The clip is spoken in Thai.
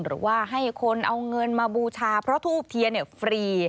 หรือว่าให้คนเอาเงินมาบูชาเพราะทูบเทียนฟรี